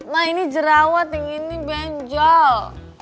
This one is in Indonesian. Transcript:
ma ini jerawat ini benjol